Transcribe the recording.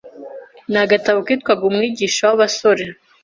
n’agatabo kitwaga Umwigisha w’Abasore